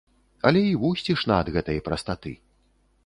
Але і вусцішна ад гэтай прастаты.